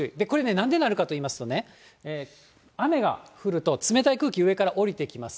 なんでなるかといいますとね、雨が降ると冷たい空気、上からおりてきます。